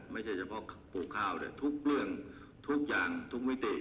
ไม่ใช่เฉพาะปลูกข้าวทุกเรื่องทุกอย่างทุกมิติ